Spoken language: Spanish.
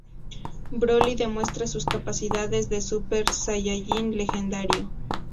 Broly demuestra sus capacidades de Super Saiyajin legendario.